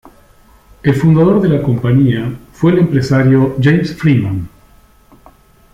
El fundador de la compañía fue el empresario James Freeman.